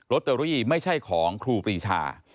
ตเตอรี่ไม่ใช่ของครูปรีชา